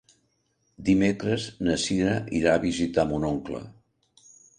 Dimecres na Cira irà a visitar mon oncle.